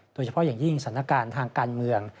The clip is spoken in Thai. โดยเฉพาะอย่างยิ่งสถานการณ์ทางการเมือง